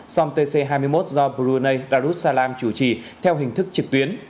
song tc hai mươi một do brunei darussalam chủ trì theo hình thức trực tuyến